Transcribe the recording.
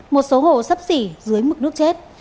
một số hồ sấp xỉ dưới mực nước chết